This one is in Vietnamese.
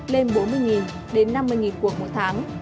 lên bốn mươi đến năm mươi cuộc một tháng